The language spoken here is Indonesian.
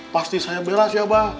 pasti saya bela si abah